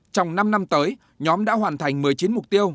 trong năm năm tới nhóm đã hoàn thành một mươi chín mục tiêu